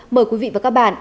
mời quý vị và các bạn